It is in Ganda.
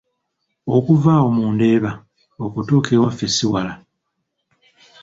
Okuva awo mu Ndeeba okutuuka ewaffe ssi wala.